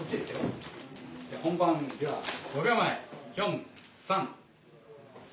本番では５秒前４３。